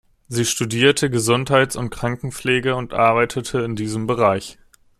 Sie studierte Gesundheits- und Krankenpflege und arbeitete in diesem Bereich.